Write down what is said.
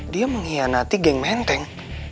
dia mengkhianati geng menteng